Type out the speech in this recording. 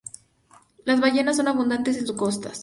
Las ballenas son abundantes en sus costa.